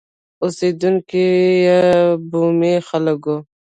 اوسېدونکي یې بومي خلک وو.